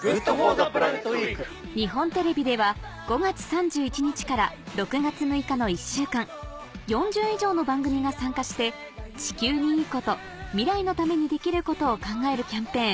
日本テレビでは５月３１日から６月６日の１週間４０以上の番組が参加して「地球にいいこと未来のためにできることを考えるキャンペーン」